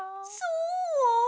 そう？